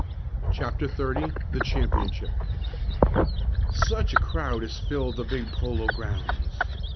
CHAPTER XXX THE CHAMPIONSHIP Such a crowd as filled the big Polo Grounds!